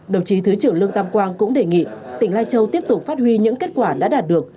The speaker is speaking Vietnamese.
đồng chí thứ trưởng lương tam quang cũng đề nghị tỉnh lai châu tiếp tục phát huy những kết quả đã đạt được